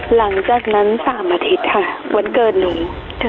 หลังจากนั้น๓อาทิตย์ค่ะวันเกิดหนู